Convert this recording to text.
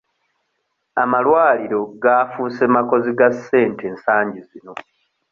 Amalwaliro gaafuuse makozi ga ssente ensangi zino.